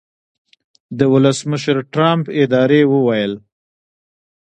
د ولسمشرټرمپ ادارې وویل